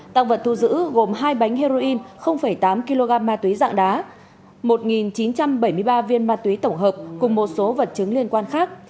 tăng vật thu giữ gồm hai bánh heroin tám kg ma túy dạng đá một chín trăm bảy mươi ba viên ma túy tổng hợp cùng một số vật chứng liên quan khác